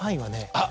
あっ！